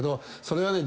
それはね。